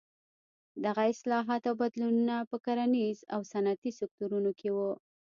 دغه اصلاحات او بدلونونه په کرنیز او صنعتي سکتورونو کې وو.